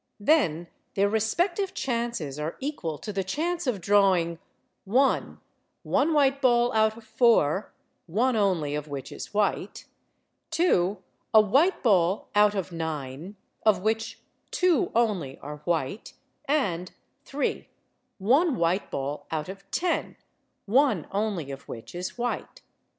Then their respective chances are equal to the chance of drawing (1) one white ball out of four, one only of which is white; (2) a white ball out of nine, of which two only are white; and (3) one white ball out of ten, one only of which is white.